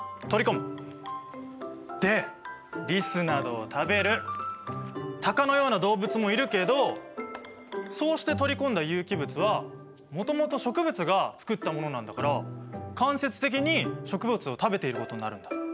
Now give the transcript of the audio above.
でリスなどを食べるタカのような動物もいるけどそうして取り込んだ有機物はもともと植物が作ったものなんだから間接的に植物を食べていることになるんだ。